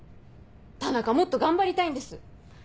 田中もっと頑張りたいんです。